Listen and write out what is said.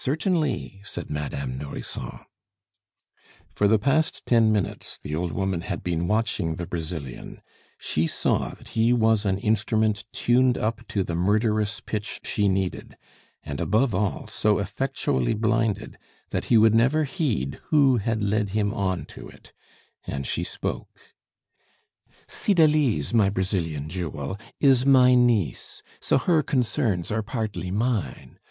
Certainly!" said Madame Nourrisson. For the past ten minutes the old woman had been watching the Brazilian; she saw that he was an instrument tuned up to the murderous pitch she needed; and, above all, so effectually blinded, that he would never heed who had led him on to it, and she spoke: "Cydalise, my Brazilian jewel, is my niece, so her concerns are partly mine.